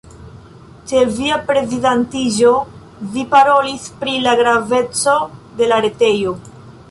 Ĉe via prezidantiĝo, vi parolis pri la graveco de la retejo.